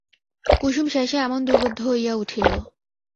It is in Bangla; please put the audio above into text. কুসুম শেষে এমন দুর্বোধ্য হইয়া উঠিল!